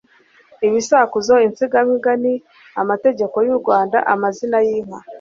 ibisakuzo, insigamigani, amateka y'u Rwanda, amazina y'inka